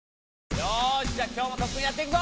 よしじゃあ今日も特訓やっていくぞ！